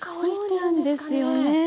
そうなんですよね。